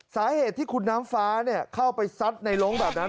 สาเหตุที่คุณน้ำฟ้าเข้าไปซัดในลงแบบนั้น